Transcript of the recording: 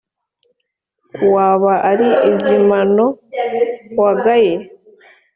waba ari izimano wagaye?